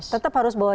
tetap harus bawa cash